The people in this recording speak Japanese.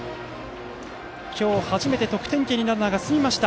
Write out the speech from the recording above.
今日初めて得点圏にランナーを進めました。